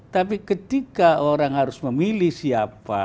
tapi ketika orang harus memilih siapa